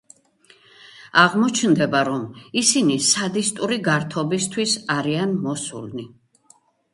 აღმოჩნდება, რომ ისინი სადისტური გართობისთვის არიან მოსულნი.